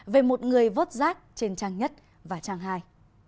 về một người vớt rác trên trang nhất và trang hai